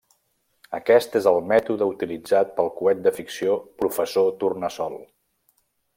Aquest és el mètode utilitzat pel coet de ficció Professor Tornassol.